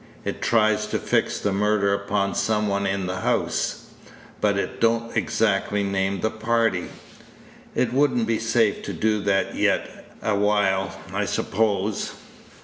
It tries to fix the murder upon some one in the house, but it don't exactly name the party. It would n't be safe to do that yet a while, I suppose."